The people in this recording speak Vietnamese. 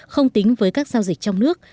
không tính với các giao dịch trong nước